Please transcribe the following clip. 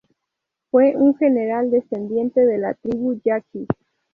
Fue un general descendiente de la tribu yaqui.